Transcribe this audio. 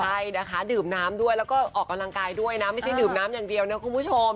ใช่นะคะดื่มน้ำด้วยแล้วก็ออกกำลังกายด้วยนะไม่ใช่ดื่มน้ำอย่างเดียวนะคุณผู้ชม